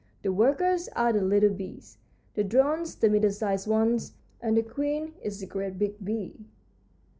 The workers are the little bees, the drones the middle sized ones, and the queen is the great big bee.